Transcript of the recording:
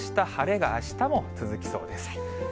寒い、乾燥した晴れがあしたも続きそうです。